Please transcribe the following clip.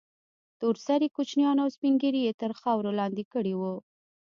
تور سرې كوچنيان او سپين ږيري يې تر خاورو لاندې كړي وو.